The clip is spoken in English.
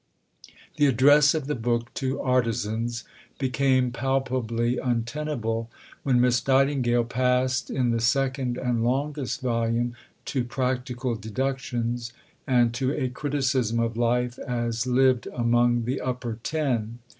The address of the book to Artizans became palpably untenable when Miss Nightingale passed in the second, and longest, volume to "Practical Deductions," and to a criticism of life as lived among "the upper ten."